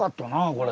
これ。